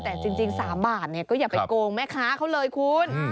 แต่จริง๓บาทก็อย่าไปโกงแม่ค้าเขาเลยคุณ